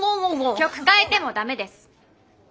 曲変えてもダメです！